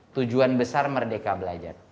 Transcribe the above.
tujuan besar merdeka belajar